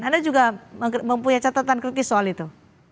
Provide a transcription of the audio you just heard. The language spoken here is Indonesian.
anda juga mempunyai catatan kritis soal itu